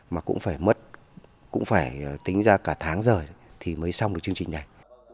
mà cũng phải mất cũng phải tính ra cả tháng rồi thì mới xong được chương trình này